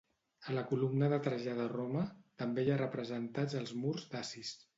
A la columna de Trajà de Roma també hi ha representats els murs dacis.